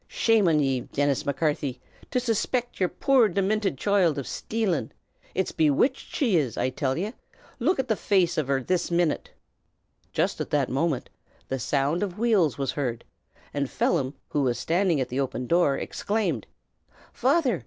Shame an ye, Dinnis Macarthy! to suspict yer poor, diminted choild of shtalin'! It's bewitched she is, I till ye! Look at the face av her this minute!" Just at that moment the sound of wheels was heard; and Phelim, who was standing at the open door, exclaimed, "Father!